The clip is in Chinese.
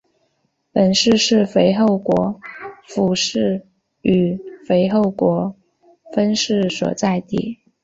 本市是肥后国府与肥后国分寺所在地。